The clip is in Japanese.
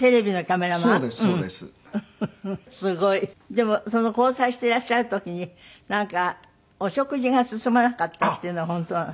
でもその交際していらっしゃる時になんかお食事が進まなかったっていうのは本当なの？